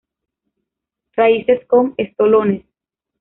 Raíces con estolones.